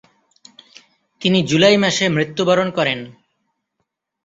তিনি জুলাই মাসে মৃত্যুবরণ করেন।